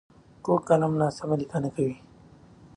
کوږ قلم ناسمه لیکنه کوي